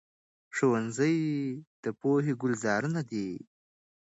ښوونځي د پوهې ګلزارونه دي.